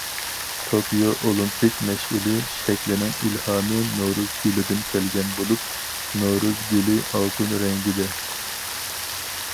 توكيو ئولىمپىك مەشئىلى شەكلىنىڭ ئىلھامى نورۇز گۈلىدىن كەلگەن بولۇپ،« نورۇز گۈلى ئالتۇن رەڭگى» دە.